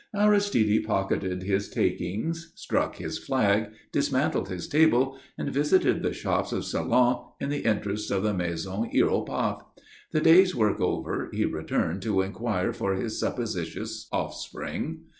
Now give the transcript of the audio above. Aristide pocketed his takings, struck his flag, dismantled his table, and visited the shops of Salon in the interests of the Maison Hiéropath. The day's work over, he returned to inquire for his supposititious offspring.